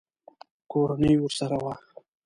کورنۍ ورسره وه.